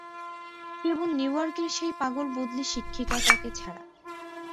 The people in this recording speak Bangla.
কেবল নিউয়ার্কের সেই পাগল বদলী শিক্ষিকাটাকে ছাড়া।